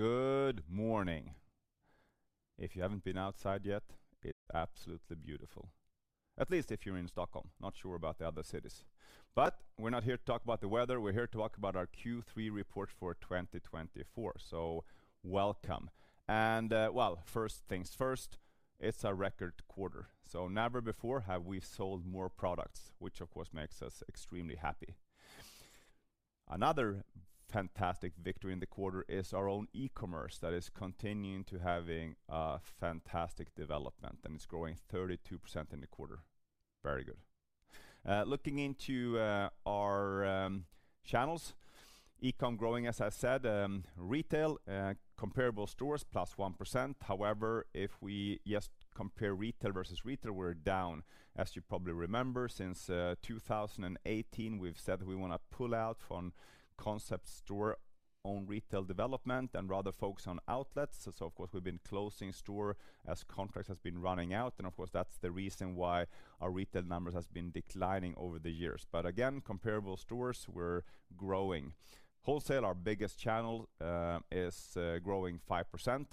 Good morning. If you haven't been outside yet, it's absolutely beautiful. At least if you're in Stockholm, not sure about the other cities. But we're not here to talk about the weather. We're here to talk about our Q3 report for 2024. Welcome. Well, first things first, it's our record quarter. Never before have we sold more products, which of course makes us extremely happy. Another fantastic victory in the quarter is our own e-commerce that is continuing to have a fantastic development, and it's growing 32% in the quarter. Very good. Looking into our channels, e-com growing, as I said, retail, comparable stores +1%. However, if we just compare retail versus retail, we're down. As you probably remember, since 2018, we've said we want to pull out from concept store-owned retail development and rather focus on outlets. Of course, we've been closing stores as contracts have been running out. And of course, that's the reason why our retail numbers have been declining over the years. But again, comparable stores, we're growing. Wholesale, our biggest channel, is growing 5%.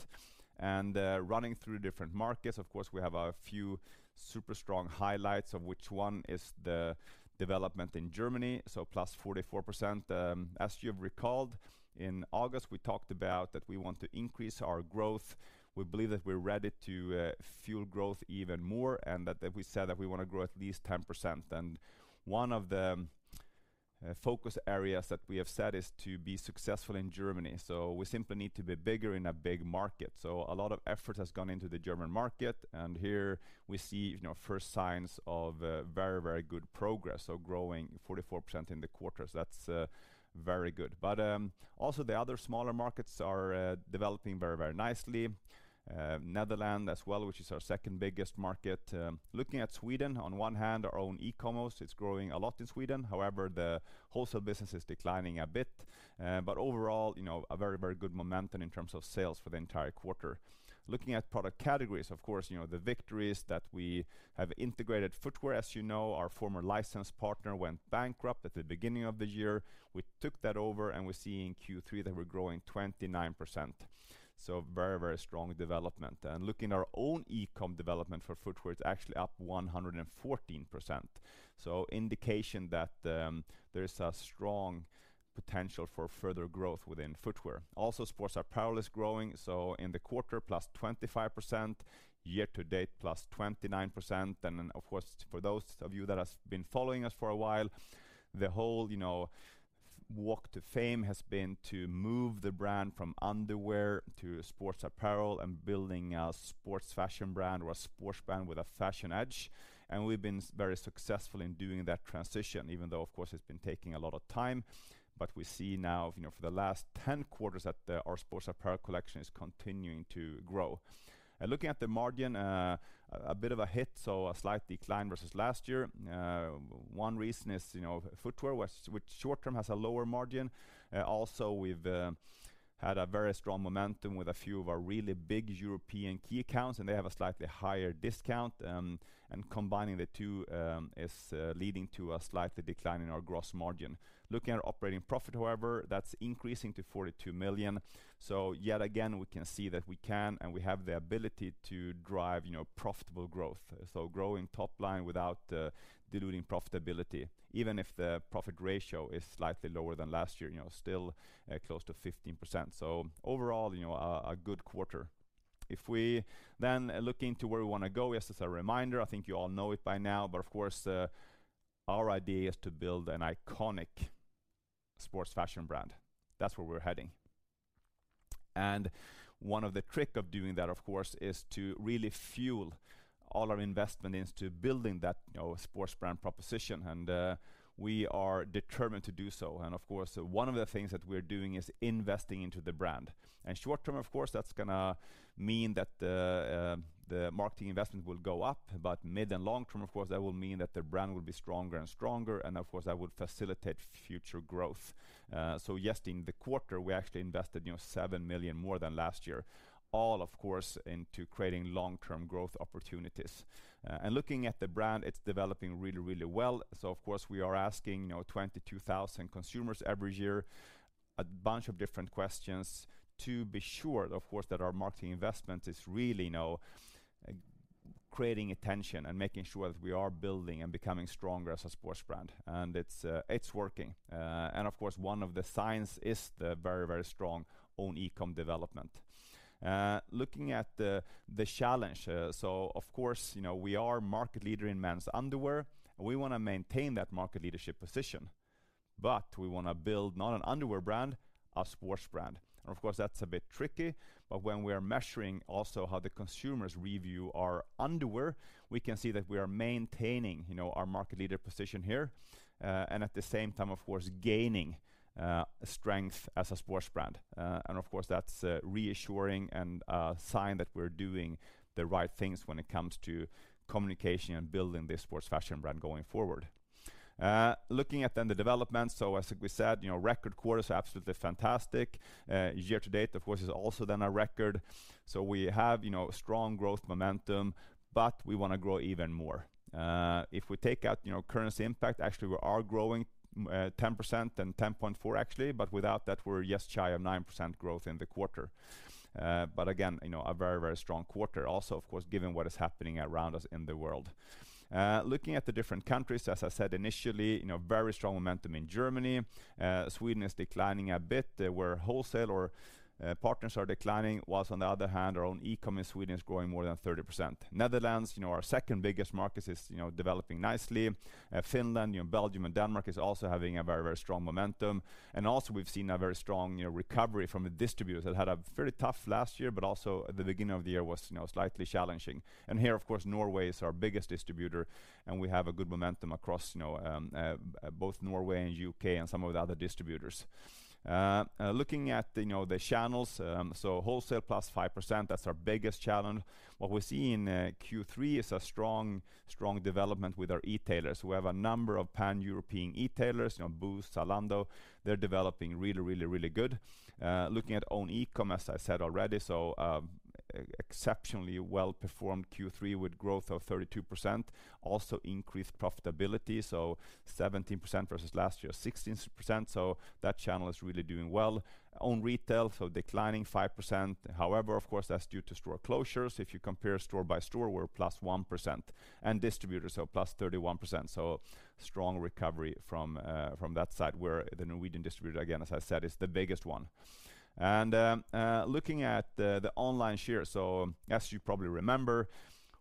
And running through different markets, of course, we have a few super strong highlights, of which one is the development in Germany, so plus 44%. As you have recalled, in August, we talked about that we want to increase our growth. We believe that we're ready to fuel growth even more, and that we said that we want to grow at least 10%. And one of the focus areas that we have said is to be successful in Germany. So we simply need to be bigger in a big market. So a lot of effort has gone into the German market, and here we see first signs of very, very good progress. Growing 44% in the quarter, so that's very good. But also the other smaller markets are developing very, very nicely. Netherlands as well, which is our second biggest market. Looking at Sweden, on one hand, our own e-commerce, it's growing a lot in Sweden. However, the wholesale business is declining a bit. But overall, a very, very good momentum in terms of sales for the entire quarter. Looking at product categories, of course, the victory is that we have integrated footwear, as you know, our former license partner went bankrupt at the beginning of the year. We took that over, and we're seeing Q3 that we're growing 29%. So very, very strong development. And looking at our own e-com development for footwear, it's actually up 114%. Indication that there is a strong potential for further growth within footwear. Also, sports apparel is growing. In the quarter, +25%; year to date, +29%. Of course, for those of you that have been following us for a while, the whole walk to fame has been to move the brand from underwear to sports apparel and building a sports fashion brand or a sports brand with a fashion edge. We've been very successful in doing that transition, even though, of course, it's been taking a lot of time. We see now for the last 10 quarters that our sports apparel collection is continuing to grow. Looking at the margin, a bit of a hit, so a slight decline versus last year. One reason is footwear, which short-term has a lower margin. Also, we've had a very strong momentum with a few of our really big European key accounts, and they have a slightly higher discount, and combining the two is leading to a slightly declining our gross margin. Looking at operating profit, however, that's increasing to 42 million SEK. So yet again, we can see that we can and we have the ability to drive profitable growth, so growing top line without diluting profitability, even if the profit ratio is slightly lower than last year, still close to 15%, so overall, a good quarter. If we then look into where we want to go, yes, as a reminder, I think you all know it by now, but of course, our idea is to build an iconic sports fashion brand. That's where we're heading. One of the tricks of doing that, of course, is to really fuel all our investment into building that sports brand proposition. We are determined to do so. Of course, one of the things that we're doing is investing into the brand. Short term, of course, that's going to mean that the marketing investment will go up, but mid and long term, of course, that will mean that the brand will be stronger and stronger. Of course, that will facilitate future growth. Yes, in the quarter, we actually invested seven million more than last year, all of course, into creating long-term growth opportunities. Looking at the brand, it's developing really, really well. Of course, we are asking 22,000 consumers every year a bunch of different questions to be sure, of course, that our marketing investment is really creating attention and making sure that we are building and becoming stronger as a sports brand. And it's working. And of course, one of the signs is the very, very strong own e-com development. Looking at the challenge, of course, we are market leader in men's underwear. We want to maintain that market leadership position, but we want to build not an underwear brand, a sports brand. And of course, that's a bit tricky. But when we are measuring also how the consumers review our underwear, we can see that we are maintaining our market leader position here. And at the same time, of course, gaining strength as a sports brand. And of course, that's reassuring and a sign that we're doing the right things when it comes to communication and building this sports fashion brand going forward. Looking at then the development, so as we said, record quarter is absolutely fantastic. Year to date, of course, is also then a record. So we have strong growth momentum, but we want to grow even more. If we take out currency impact, actually we are growing 10% and 10.4% actually, but without that, we're just shy of 9% growth in the quarter. But again, a very, very strong quarter also, of course, given what is happening around us in the world. Looking at the different countries, as I said initially, very strong momentum in Germany. Sweden is declining a bit, where wholesale or partners are declining, whilst on the other hand, our own e-com in Sweden is growing more than 30%. Netherlands, our second biggest market, is developing nicely. Finland, Belgium, and Denmark are also having a very, very strong momentum. We've seen a very strong recovery from the distributors that had a very tough last year, but also at the beginning of the year was slightly challenging. Here, of course, Norway is our biggest distributor, and we have a good momentum across both Norway and U.K. and some of the other distributors. Looking at the channels, wholesale +5%, that's our biggest challenge. What we see in Q3 is a strong development with our e-tailers. We have a number of pan-European e-tailers, Boozt, Zalando, they're developing really, really, really good. Looking at own e-com, as I said already, exceptionally well performed Q3 with growth of 32%, also increased profitability, 17% versus last year, 16%. That channel is really doing well. Own retail, so declining 5%. However, of course, that's due to store closures. If you compare store by store, we're plus 1%. And distributors, so plus 31%. So strong recovery from that side, where the Norwegian distributor, again, as I said, is the biggest one. And looking at the online share, so as you probably remember,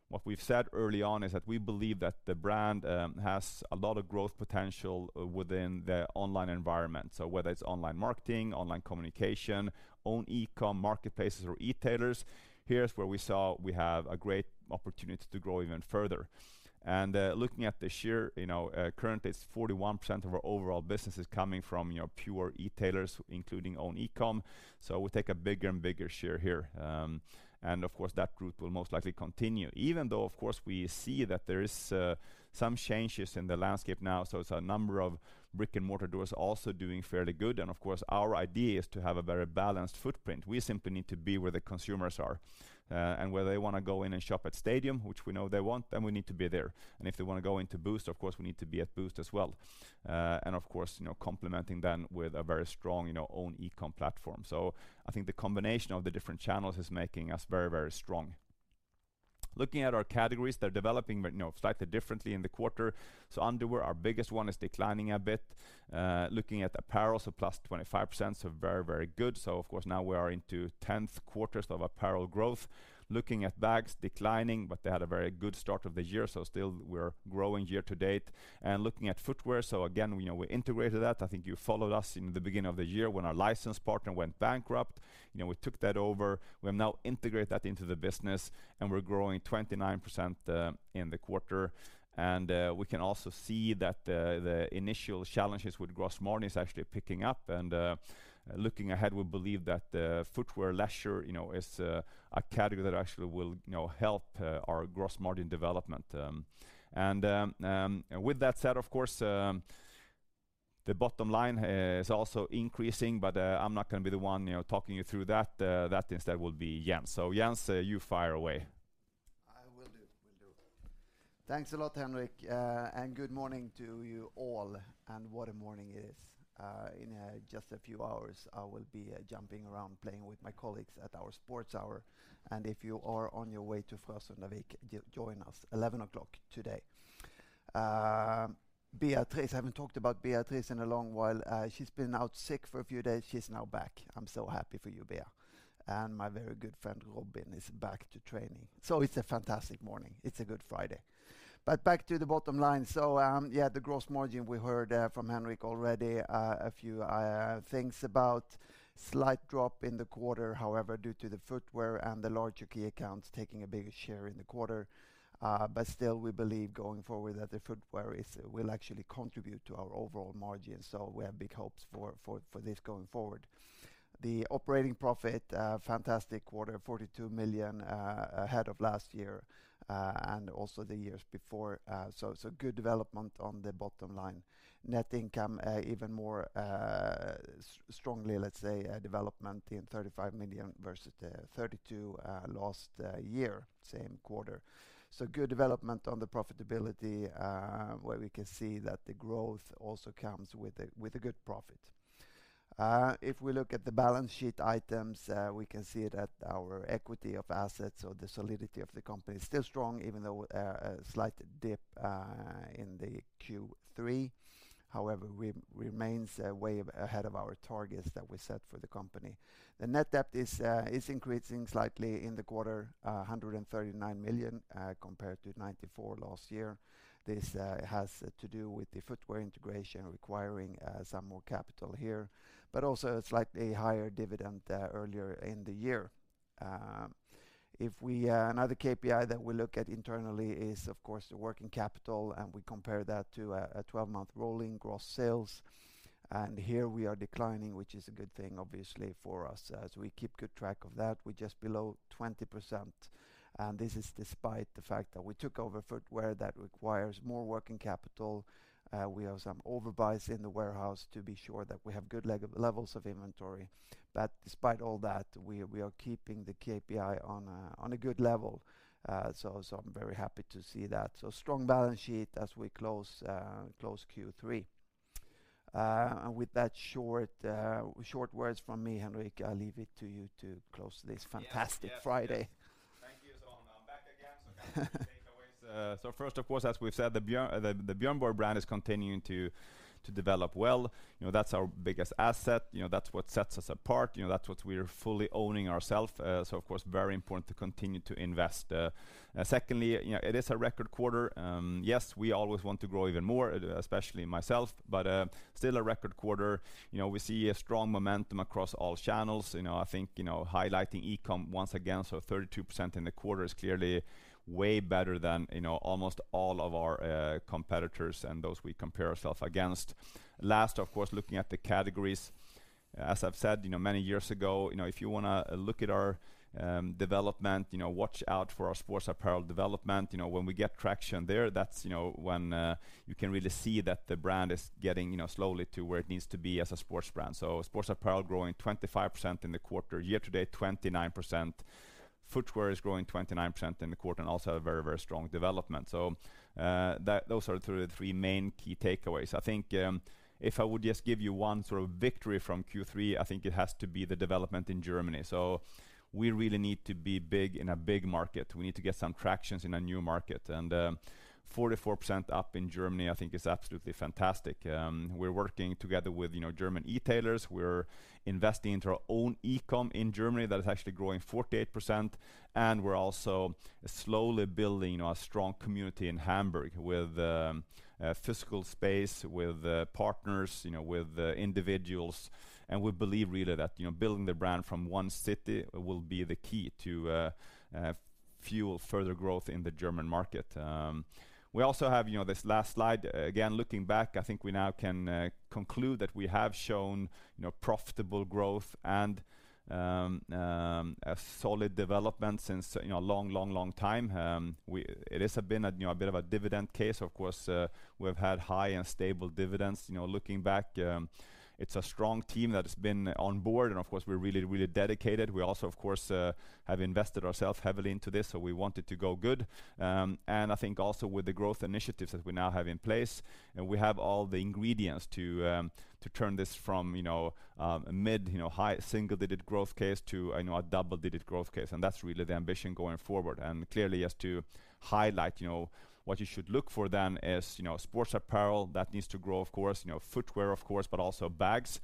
what we've said early on is that we believe that the brand has a lot of growth potential within the online environment. So whether it's online marketing, online communication, own e-com marketplaces or e-tailers, here's where we saw we have a great opportunity to grow even further. And looking at the share, currently it's 41% of our overall business is coming from pure e-tailers, including own e-com. So we take a bigger and bigger share here. And of course, that route will most likely continue, even though, of course, we see that there are some changes in the landscape now. So it's a number of brick and mortar doors also doing fairly good. And of course, our idea is to have a very balanced footprint. We simply need to be where the consumers are. And where they want to go in and shop at Stadium, which we know they want, then we need to be there. And if they want to go into Boozt, of course, we need to be at Boozt as well. And of course, complementing then with a very strong own e-com platform. So I think the combination of the different channels is making us very, very strong. Looking at our categories, they're developing slightly differently in the quarter. So underwear, our biggest one is declining a bit. Looking at apparel, so plus 25%, so very, very good. So of course, now we are into 10th quarter of apparel growth. Looking at bags, declining, but they had a very good start of the year. So still, we're growing year to date. And looking at footwear, so again, we integrated that. I think you followed us in the beginning of the year when our license partner went bankrupt. We took that over. We have now integrated that into the business, and we're growing 29% in the quarter. And we can also see that the initial challenges with gross margins are actually picking up. And looking ahead, we believe that footwear leisure is a category that actually will help our gross margin development. And with that said, of course, the bottom line is also increasing, but I'm not going to be the one talking you through that. That instead will be Jens. So Jens, you fire away. I will do. Will do. Thanks a lot, Henrik, and good morning to you all, and what a morning it is. In just a few hours, I will be jumping around playing with my colleagues at our sports hour, and if you are on your way to Frösundavik, join us, 11:00 A.M. today. Beatrice, I haven't talked about Beatrice in a long while. She's been out sick for a few days. She's now back. I'm so happy for you, Bea, and my very good friend Robin is back to training, so it's a fantastic morning. It's a good Friday, but back to the bottom line, so yeah, the gross margin, we heard from Henrik already a few things about. Slight drop in the quarter, however, due to the footwear and the larger key accounts taking a bigger share in the quarter. But still, we believe going forward that the footwear will actually contribute to our overall margin. So we have big hopes for this going forward. The operating profit, fantastic quarter, 42 million ahead of last year and also the years before. So good development on the bottom line. Net income, even more strongly, let's say, development in 35 million versus 32 million last year, same quarter. So good development on the profitability, where we can see that the growth also comes with a good profit. If we look at the balance sheet items, we can see that our equity of assets, or the solidity of the company, is still strong, even though a slight dip in the Q3. However, we remain way ahead of our targets that we set for the company. The net debt is increasing slightly in the quarter, 139 million compared to 94 million last year. This has to do with the footwear integration requiring some more capital here, but also a slightly higher dividend earlier in the year. Another KPI that we look at internally is, of course, the working capital, and we compare that to a 12-month rolling gross sales. And here we are declining, which is a good thing, obviously, for us, as we keep good track of that. We're just below 20%. And this is despite the fact that we took over footwear that requires more working capital. We have some overbuys in the warehouse to be sure that we have good levels of inventory. But despite all that, we are keeping the KPI on a good level. So I'm very happy to see that. So strong balance sheet as we close Q3. And with that, short words from me, Henrik. I leave it to you to close this fantastic Friday. Thank you as well. I'm back again. So first, of course, as we've said, the Björn Borg brand is continuing to develop well. That's our biggest asset. That's what sets us apart. That's what we're fully owning ourselves. So of course, very important to continue to invest. Secondly, it is a record quarter. Yes, we always want to grow even more, especially myself, but still a record quarter. We see a strong momentum across all channels. I think highlighting e-com once again, so 32% in the quarter is clearly way better than almost all of our competitors and those we compare ourselves against. Last, of course, looking at the categories. As I've said many years ago, if you want to look at our development, watch out for our sports apparel development. When we get traction there, that's when you can really see that the brand is getting slowly to where it needs to be as a sports brand. So sports apparel growing 25% in the quarter. Year to date, 29%. Footwear is growing 29% in the quarter and also a very, very strong development. So those are the three main key takeaways. I think if I would just give you one sort of victory from Q3, I think it has to be the development in Germany. So we really need to be big in a big market. We need to get some tractions in a new market, and 44% up in Germany, I think, is absolutely fantastic. We're working together with German e-tailers. We're investing into our own e-com in Germany that is actually growing 48%. We're also slowly building a strong community in Hamburg with physical space, with partners, with individuals. We believe really that building the brand from one city will be the key to fuel further growth in the German market. We also have this last slide. Again, looking back, I think we now can conclude that we have shown profitable growth and a solid development since a long, long, long time. It has been a bit of a dividend case. Of course, we've had high and stable dividends. Looking back, it's a strong team that has been on board. Of course, we're really, really dedicated. We also, of course, have invested ourselves heavily into this, so we want it to go good. And I think also with the growth initiatives that we now have in place, we have all the ingredients to turn this from a mid-high single-digit growth case to a double-digit growth case. And that's really the ambition going forward. And clearly, as to highlight what you should look for then is sports apparel that needs to grow, of course, footwear, of course, but also bags.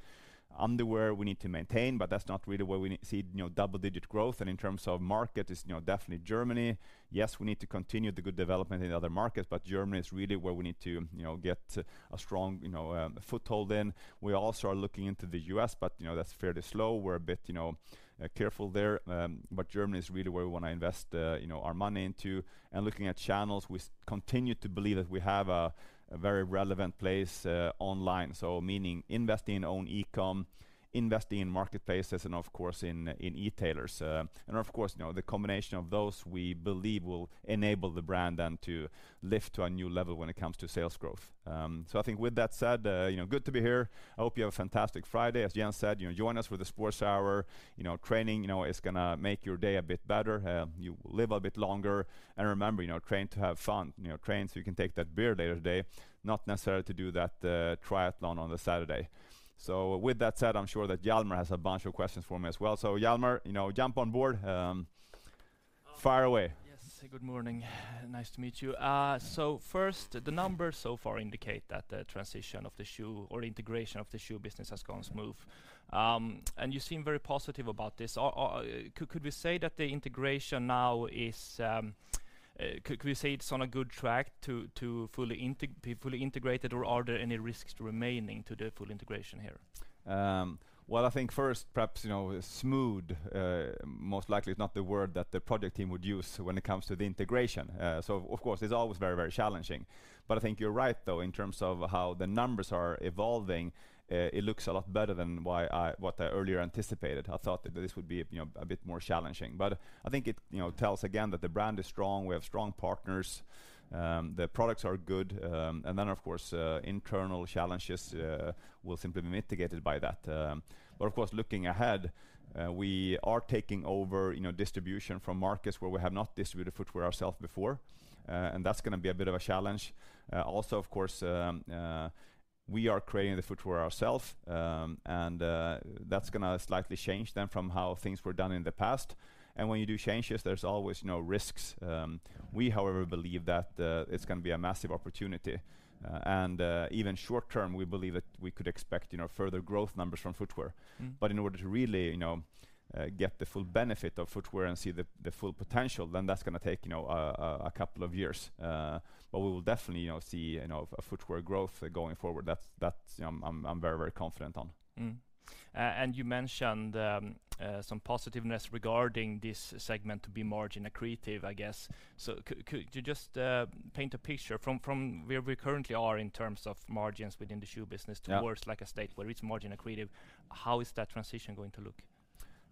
Underwear, we need to maintain, but that's not really where we see double-digit growth. And in terms of market, it's definitely Germany. Yes, we need to continue the good development in other markets, but Germany is really where we need to get a strong foothold in. We also are looking into the U.S., but that's fairly slow. We're a bit careful there, but Germany is really where we want to invest our money into. And looking at channels, we continue to believe that we have a very relevant place online. So meaning investing in own e-com, investing in marketplaces, and of course, in e-tailers. And of course, the combination of those, we believe, will enable the brand then to lift to a new level when it comes to sales growth. So I think with that said, good to be here. I hope you have a fantastic Friday. As Jens said, join us for the sports hour. Training is going to make your day a bit better. You live a bit longer. And remember, train to have fun. Train so you can take that beer later today, not necessarily to do that triathlon on the Saturday. So with that said, I'm sure that Jelmer has a bunch of questions for me as well. So Jelmer, jump on board. Fire away. Yes, good morning. Nice to meet you. So first, the numbers so far indicate that the transition of the shoe or integration of the shoe business has gone smooth, and you seem very positive about this. Could we say that the integration now is on a good track to be fully integrated, or are there any risks remaining to the full integration here? I think first, perhaps smooth, most likely is not the word that the project team would use when it comes to the integration. So of course, it's always very, very challenging. But I think you're right, though, in terms of how the numbers are evolving. It looks a lot better than what I earlier anticipated. I thought that this would be a bit more challenging. But I think it tells again that the brand is strong. We have strong partners. The products are good. And then, of course, internal challenges will simply be mitigated by that. But of course, looking ahead, we are taking over distribution from markets where we have not distributed footwear ourselves before. And that's going to be a bit of a challenge. Also, of course, we are creating the footwear ourselves. That's going to slightly change then from how things were done in the past. When you do changes, there's always risks. We, however, believe that it's going to be a massive opportunity. Even short term, we believe that we could expect further growth numbers from footwear. In order to really get the full benefit of footwear and see the full potential, then that's going to take a couple of years. We will definitely see footwear growth going forward. That's. I'm very, very confident on. You mentioned some positiveness regarding this segment to be margin accretive, I guess. Could you just paint a picture from where we currently are in terms of margins within the shoe business towards like a state where it's margin accretive? How is that transition going to look?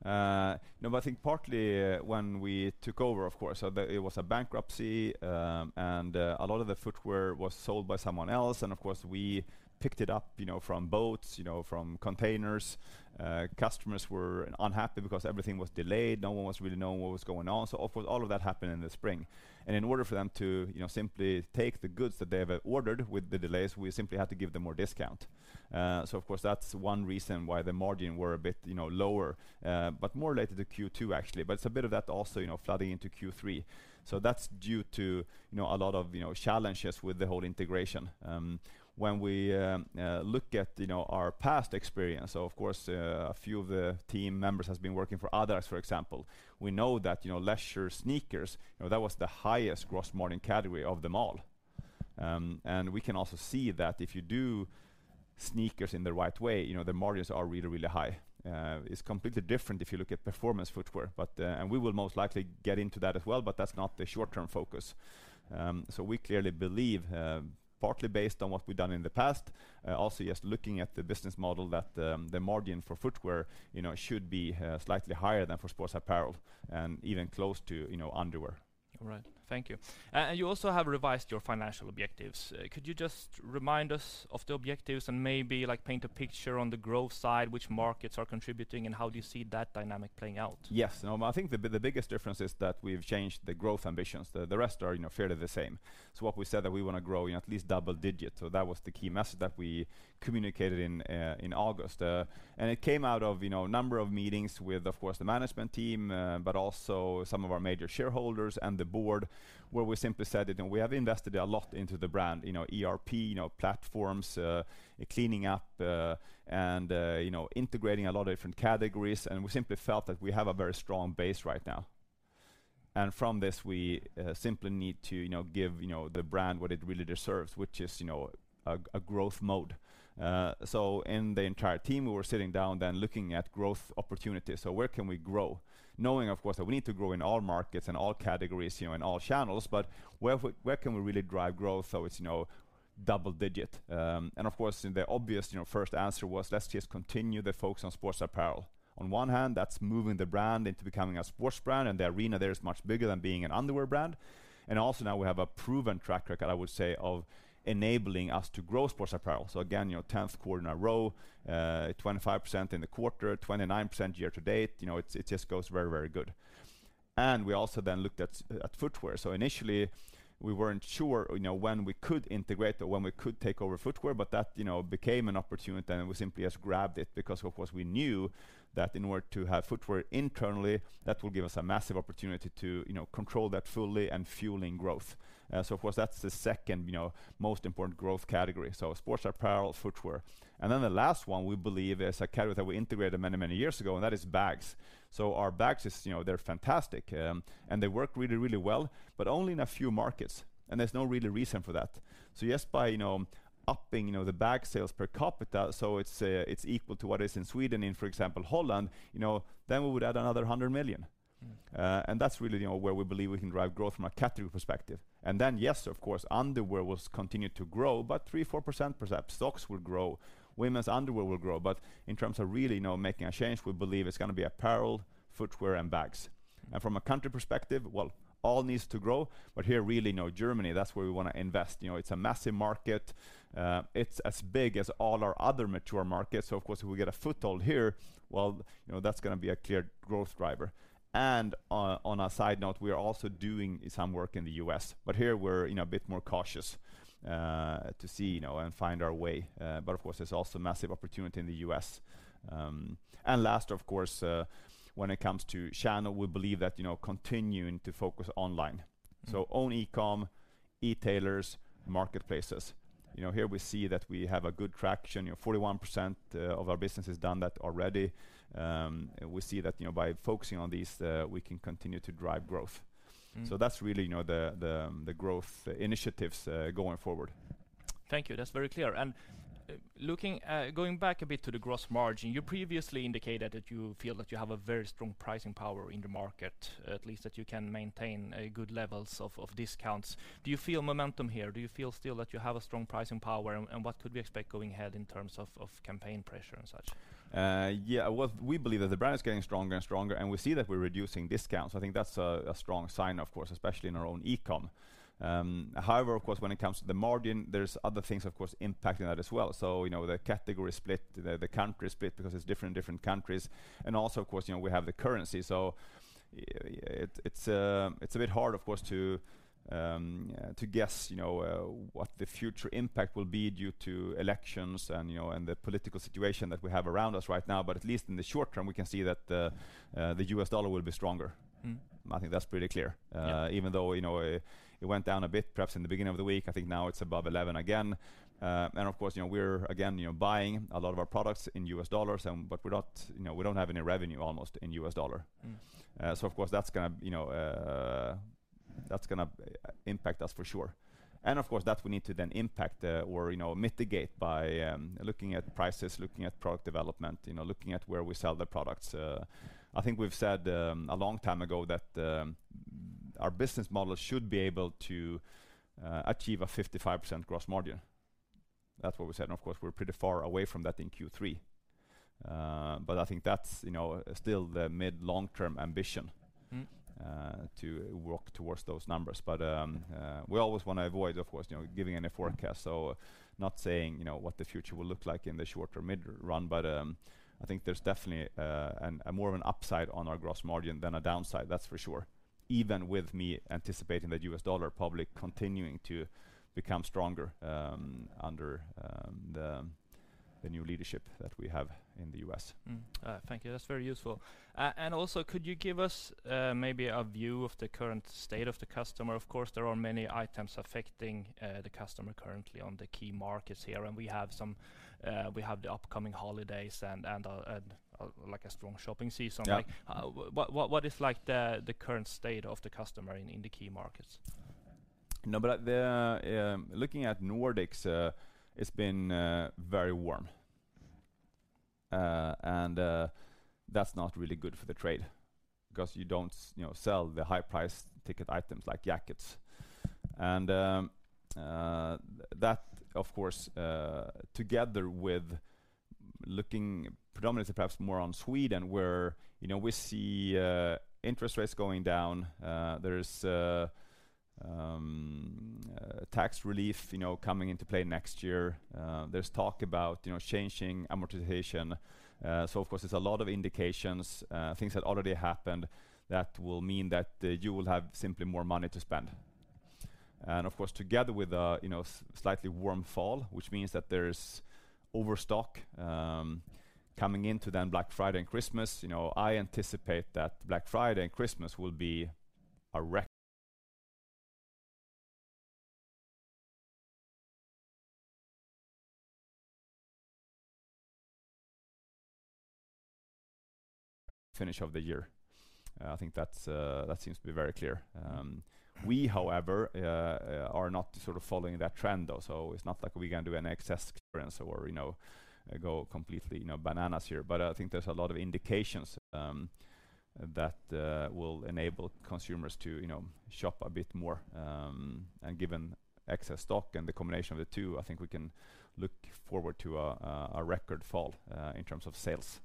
No, but I think partly when we took over, of course, it was a bankruptcy. And a lot of the footwear was sold by someone else. And of course, we picked it up from boats, from containers. Customers were unhappy because everything was delayed. No one was really knowing what was going on. So of course, all of that happened in the spring. And in order for them to simply take the goods that they have ordered with the delays, we simply had to give them more discount. So of course, that's one reason why the margin were a bit lower, but more related to Q2, actually. But it's a bit of that also flooding into Q3. So that's due to a lot of challenges with the whole integration. When we look at our past experience, of course, a few of the team members have been working for Adidas, for example. We know that leisure sneakers, that was the highest gross margin category of them all. And we can also see that if you do sneakers in the right way, the margins are really, really high. It's completely different if you look at performance footwear. And we will most likely get into that as well, but that's not the short-term focus. So we clearly believe, partly based on what we've done in the past, also just looking at the business model, that the margin for footwear should be slightly higher than for sports apparel and even close to underwear. All right. Thank you. And you also have revised your financial objectives. Could you just remind us of the objectives and maybe paint a picture on the growth side, which markets are contributing, and how do you see that dynamic playing out? Yes. I think the biggest difference is that we've changed the growth ambitions. The rest are fairly the same. So what we said that we want to grow in at least double digits. So that was the key message that we communicated in August. And it came out of a number of meetings with, of course, the management team, but also some of our major shareholders and the board, where we simply said that we have invested a lot into the brand, ERP platforms, cleaning up, and integrating a lot of different categories. And we simply felt that we have a very strong base right now. And from this, we simply need to give the brand what it really deserves, which is a growth mode. So in the entire team, we were sitting down then looking at growth opportunities. So where can we grow? Knowing, of course, that we need to grow in all markets and all categories and all channels, but where can we really drive growth so it's double digit? And of course, the obvious first answer was, let's just continue the focus on sports apparel. On one hand, that's moving the brand into becoming a sports brand, and the arena there is much bigger than being an underwear brand. And also now we have a proven track record, I would say, of enabling us to grow sports apparel. So again, 10th quarter in a row, 25% in the quarter, 29% year to date. It just goes very, very good. And we also then looked at footwear. So initially, we weren't sure when we could integrate or when we could take over footwear, but that became an opportunity. We simply just grabbed it because, of course, we knew that in order to have footwear internally, that will give us a massive opportunity to control that fully and fueling growth. So of course, that's the second most important growth category. So sports apparel, footwear. And then the last one we believe is a category that we integrated many, many years ago, and that is bags. So our bags, they're fantastic. And they work really, really well, but only in a few markets. And there's no real reason for that. So just by upping the bag sales per capita, so it's equal to what is in Sweden, in, for example, Holland, then we would add another 100 million. And that's really where we believe we can drive growth from a category perspective. And then, yes, of course, underwear will continue to grow, but 3%, 4% perhaps. Socks will grow. Women's underwear will grow, but in terms of really making a change, we believe it's going to be apparel, footwear, and bags, and from a country perspective, well, all needs to grow, but here, really, Germany, that's where we want to invest. It's a massive market. It's as big as all our other mature markets, so of course, if we get a foothold here, well, that's going to be a clear growth driver, and on a side note, we are also doing some work in the U.S. But here, we're a bit more cautious to see and find our way, but of course, there's also massive opportunity in the U.S., and last, of course, when it comes to channel, we believe that continuing to focus online, so own e-com, e-tailers, marketplaces. Here we see that we have a good traction. 41% of our business has done that already. We see that by focusing on these, we can continue to drive growth. So that's really the growth initiatives going forward. Thank you. That's very clear. And going back a bit to the gross margin, you previously indicated that you feel that you have a very strong pricing power in the market, at least that you can maintain good levels of discounts. Do you feel momentum here? Do you feel still that you have a strong pricing power? And what could we expect going ahead in terms of campaign pressure and such? Yeah, we believe that the brand is getting stronger and stronger, and we see that we're reducing discounts. I think that's a strong sign, of course, especially in our own e-com. However, of course, when it comes to the margin, there's other things, of course, impacting that as well. So the category split, the country split, because it's different in different countries. And also, of course, we have the currency. So it's a bit hard, of course, to guess what the future impact will be due to elections and the political situation that we have around us right now. But at least in the short term, we can see that the U.S. dollar will be stronger. I think that's pretty clear. Even though it went down a bit perhaps in the beginning of the week, I think now it's above 11 again. And of course, we're again buying a lot of our products in U.S. dollars, but we don't have any revenue almost in U.S. dollar. So of course, that's going to impact us for sure. And of course, that we need to then impact or mitigate by looking at prices, looking at product development, looking at where we sell the products. I think we've said a long time ago that our business model should be able to achieve a 55% gross margin. That's what we said. And of course, we're pretty far away from that in Q3. But I think that's still the mid-long-term ambition to work towards those numbers. But we always want to avoid, of course, giving any forecasts. So not saying what the future will look like in the short or mid-run, but I think there's definitely more of an upside on our gross margin than a downside, that's for sure. Even with me anticipating that U.S. dollar probably continuing to become stronger under the new leadership that we have in the U.S. Thank you. That's very useful, and also, could you give us maybe a view of the current state of the customer? Of course, there are many items affecting the customer currently on the key markets here, and we have the upcoming holidays and a strong shopping season. What is like the current state of the customer in the key markets? No, but looking at Nordics, it's been very warm. And that's not really good for the trade because you don't sell the high-priced ticket items like jackets. And that, of course, together with looking predominantly perhaps more on Sweden, where we see interest rates going down, there's tax relief coming into play next year. There's talk about changing amortization. So of course, there's a lot of indications, things that already happened that will mean that you will have simply more money to spend. And of course, together with a slightly warm fall, which means that there's overstock coming into then Black Friday and Christmas, I anticipate that Black Friday and Christmas will be a record finish of the year. I think that seems to be very clear. We, however, are not sort of following that trend, though. So it's not like we're going to do an excess clearance or go completely bananas here. But I think there's a lot of indications that will enable consumers to shop a bit more. And given excess stock and the combination of the two, I think we can look forward to a record fall in terms of sales.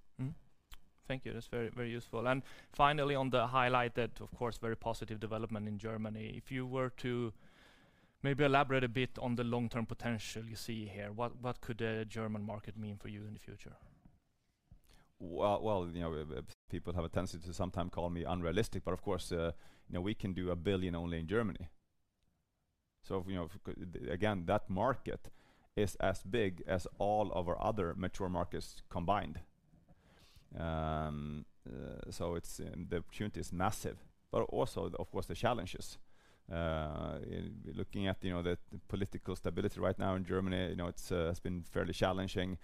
Thank you. That's very, very useful. And finally, on the highlight that, of course, very positive development in Germany. If you were to maybe elaborate a bit on the long-term potential you see here, what could the German market mean for you in the future? Well, people have a tendency to sometimes call me unrealistic, but of course, we can do a billion only in Germany. So again, that market is as big as all of our other mature markets combined. So the opportunity is massive. But also, of course, the challenges. Looking at the political stability right now in Germany, it's been fairly challenging.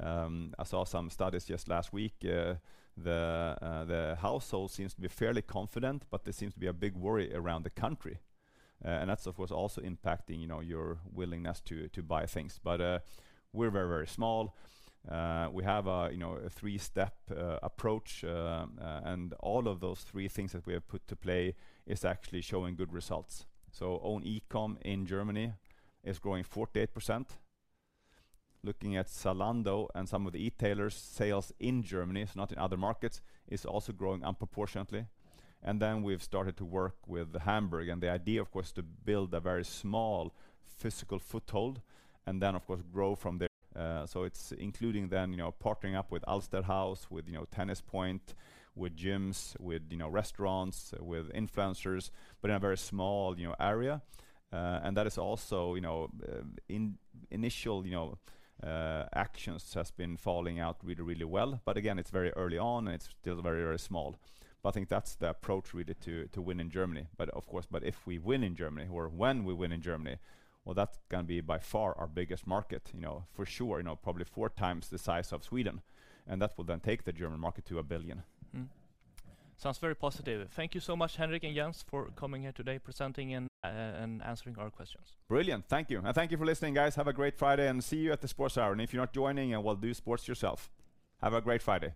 I saw some studies just last week. The household seems to be fairly confident, but there seems to be a big worry around the country. And that's, of course, also impacting your willingness to buy things. But we're very, very small. We have a three-step approach. And all of those three things that we have put to play is actually showing good results. So own e-com in Germany is growing 48%. Looking at Zalando and some of the e-tailers' sales in Germany, so not in other markets, is also growing disproportionately. Then we've started to work with Hamburg and the idea, of course, to build a very small physical foothold and then, of course, grow from there. So it's including then partnering up with Alsterhaus, with Tennis-Point, with gyms, with restaurants, with influencers, but in a very small area. And that is also initial actions has been panning out really, really well. But again, it's very early on and it's still very, very small. I think that's the approach we need to win in Germany. Of course, if we win in Germany or when we win in Germany, well, that's going to be by far our biggest market for sure, probably four times the size of Sweden. That will then take the German market to 1 billion. Sounds very positive. Thank you so much, Henrik and Jens, for coming here today, presenting and answering our questions. Brilliant. Thank you. And thank you for listening, guys. Have a great Friday and see you at the sports hour. And if you're not joining, well, do sports yourself. Have a great Friday.